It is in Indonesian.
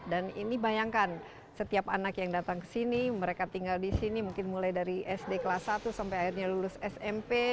dan ini bayangkan setiap yang datang ke sini mereka tinggal di sini mungkin mulai dari sd kelas satu sampai akhirnya lulus smp